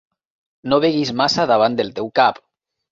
No beguis massa davant del teu cap.